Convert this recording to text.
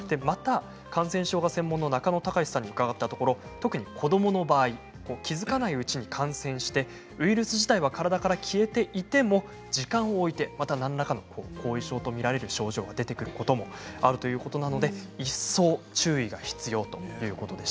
感染症が専門の中野貴司さんに伺ったところ特に子どもの場合は気付かないうちに感染してウイルス自体は体から消えていても時間を置いて何らかの後遺症と見られる症状が出てくることもあるということで一層の注意が必要だということです。